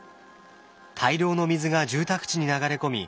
大量の水が住宅地に流れ込み